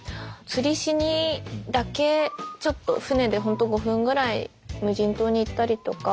釣りしにだけちょっと船でホント５分ぐらい無人島に行ったりとか。